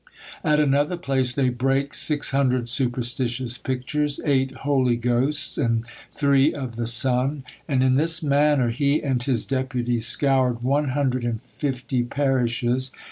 At another place they "brake six hundred superstitious pictures, eight Holy Ghosts, and three of the Son." And in this manner he and his deputies scoured one hundred and fifty parishes!